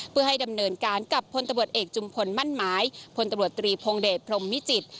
เพื่อให้ดำเนินการกับพลตำรวจเอกจุมพลมั่นหมายพลตำรวจตรีพงเดชพรมมิจิตร